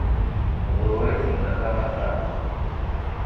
ḍewwer-iten-d axxam axxam